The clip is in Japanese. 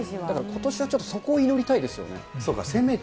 ことしはちょっとそこを祈りそうか、せめて。